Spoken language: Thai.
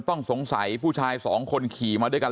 ต้องสงสัยผู้ชายสองคนขี่มาด้วยกัน